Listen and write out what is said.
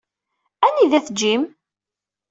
Anida-t Jim?